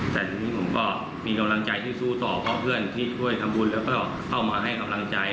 แต่ทีนี้ผมก็มีกำลังใจที่สู้ต่อเพราะเพื่อนที่ช่วยทำบุญแล้วก็เข้ามาให้กำลังใจ